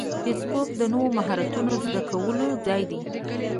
فېسبوک د نوو مهارتونو زده کولو ځای دی